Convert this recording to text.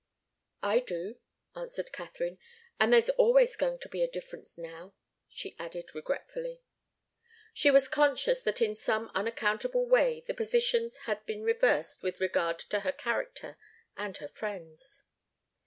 "I do," answered Katharine. "And there's always going to be a difference, now," she added, regretfully. She was conscious that in some unaccountable way the positions had been reversed with regard to her character and her friend's.